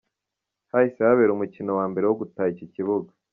Hahise habera umukino wa mbere wo gutaha iki kibuga.